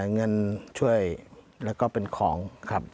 เงินช่วยแล้วก็เป็นของครับ